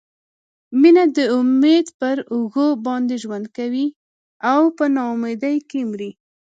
مینه د امید پر اوږو باندې ژوند کوي او په نا امیدۍ کې مري.